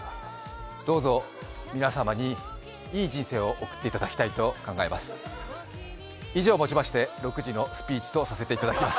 どうぞ皆様にいい人生を送っていただきたいと考えます。